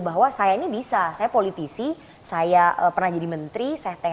bahwa saya ini bisa saya politisi saya pernah jadi menteri